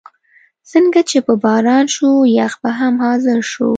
څنګه چې به باران شو، یخ به هم حاضر شو.